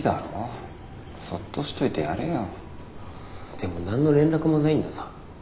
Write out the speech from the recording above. でも何の連絡もないんだぞ。